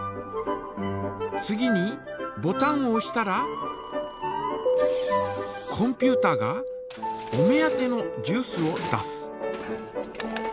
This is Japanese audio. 次にボタンをおしたらコンピュータがお目当てのジュースを出す。